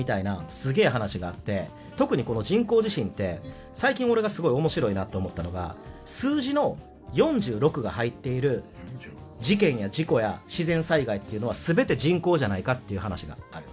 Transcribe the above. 特にこの人工地震って最近俺がすごい面白いなと思ったのが数字の４６が入っている事件や事故や自然災害っていうのは全て人工じゃないかっていう話がある。